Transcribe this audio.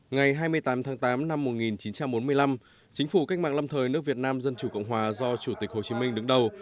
ngày hai mươi tám tháng tám năm một nghìn chín trăm bốn mươi năm chính phủ cách mạng lâm thời nước việt nam dân chủ cộng hòa do chủ tịch hồ chí minh đứng đầu